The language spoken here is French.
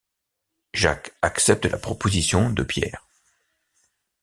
Jacques accepte la proposition de Pierre.